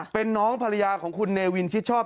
เป็นน้องภรรยาของคุณเนวินชิดชอบ